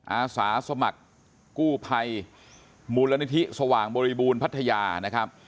อาสาสมัครกู้ภัยมูลนิธิสว่างบริบูรณ์พัทยานะครับ